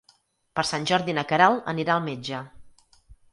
Per Sant Jordi na Queralt anirà al metge.